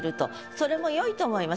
それもよいと思います。